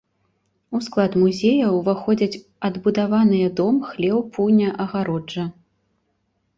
У склад музея ўваходзяць адбудаваныя дом, хлеў, пуня, агароджа.